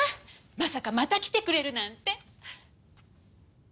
まさかまた来てくれるなんて。